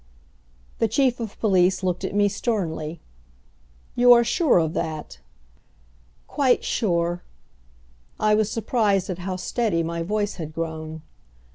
The Chief of Police looked at me sternly. "You are sure of that?" "Quite sure." I was surprised at how steady; my voice had grown.